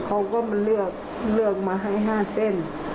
เขาก็มาเลือกมาให้๕เส้น